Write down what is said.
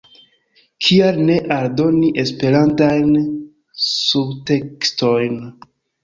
"Kial ne aldoni Esperantajn subtekstojn"?